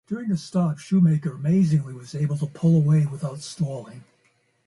During the stops, Schumacher amazingly was able to pull away without stalling.